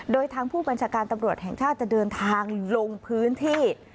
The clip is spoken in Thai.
โดยทางผู้บัญชาการตำรวจแห่งชาติจะเดินทางลงพื้นที่